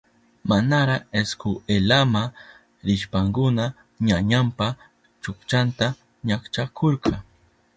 Manara iskwelama rishpankuna ñañanpa chukchanta ñakchahurka.